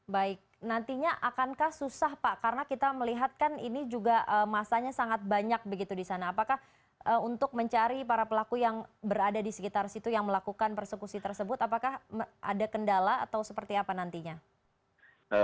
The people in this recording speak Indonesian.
baik nantinya akankah susah pak karena kita melihat kan ini juga masanya sangat banyak begitu di sana apakah untuk mencari para pelaku yang berada di sekitar situ yang melakukan persekusi tersebut apakah ada kendala atau seperti apa nantinya